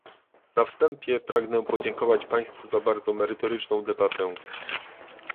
Na wstępie pragnę podziękować Państwu za bardzo merytoryczną debatę